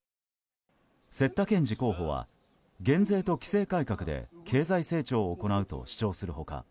セッタケンジ候補は減税と規制改革で経済成長を行うと主張する他